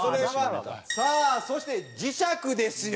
さあそして磁石ですよ。